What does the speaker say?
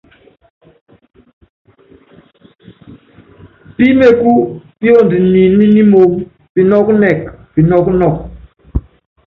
Píméku píond ninɛ nímoóm, pinɔ́k nɛ́k pinɔ́k nok.